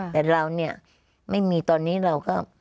แต่เราเนี่ยไม่มีตอนนี้เราก็